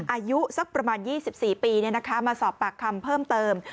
อายุสักประมาณ๒๔ปีมาสอบปากคำเพิ่มเติม